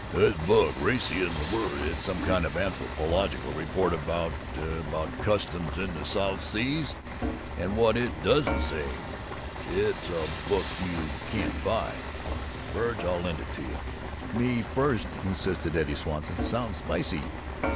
"This book racy isn't the word! It's some kind of an anthropological report about about Customs, in the South Seas, and what it doesn't say! It's a book you can't buy. Verg, I'll lend it to you." "Me first!" insisted Eddie Swanson. "Sounds spicy!"